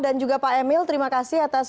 dan juga pak emil terima kasih atas